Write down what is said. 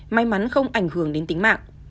may mắn không ảnh hưởng đến tính mạng